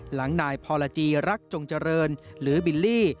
หลังนายพรจีรักจงเจริญหรือบิลลี่